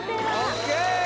ＯＫ